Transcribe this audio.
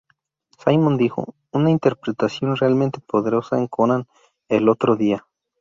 Simon dijo: "Una interpretación realmente poderosa en Conan el otro día.